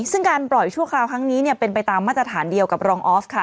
ซึ่งการปล่อยชั่วคราวครั้งนี้เป็นไปตามมาตรฐานเดียวกับรองออฟค่ะ